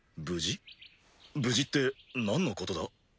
無事って何のことだ？